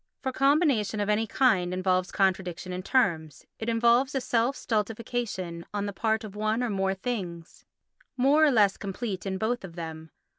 For combination of any kind involves contradiction in terms; it involves a self stultification on the part of one or more things, more or less complete in both of them.